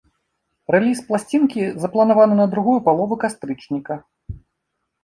Рэліз пласцінкі запланаваны на другую палову кастрычніка.